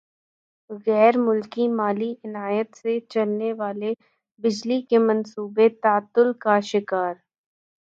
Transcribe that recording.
غیر ملکی مالی اعانت سے چلنے والے بجلی کے منصوبے تعطل کا شکار